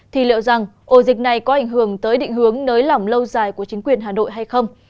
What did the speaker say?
thì liệu rằng ổ dịch này có ảnh hưởng tới định hướng nới lỏng lâu dài của chính quyền hà nội hay không